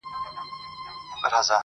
قنلدر ته په زاريو غلبلو سو.!